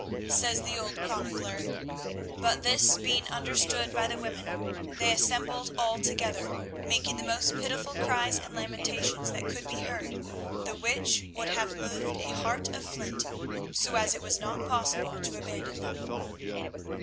Says the old chronicler, "But this being understood by the women, they assembled all together, making the most pitiful cries and lamentations that could be heard, the which would have moved a heart of flint, so as it was not possible to abandon them."